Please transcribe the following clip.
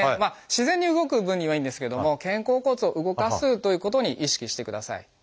自然に動く分にはいいんですけれども肩甲骨を動かすということに意識してください。